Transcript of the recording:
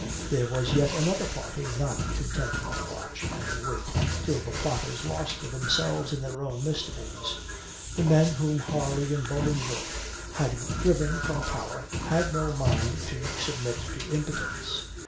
There was yet another party not content to watch and wait till the plotters lost themselves in their own mysteries. The men whom Harley and Bolingbroke had driven from power had no mind to submit to impotence.